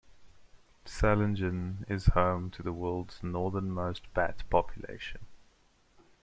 Salangen is home to the world's northernmost bat population.